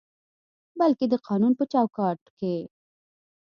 بلکې د قانون په چوکاټ کې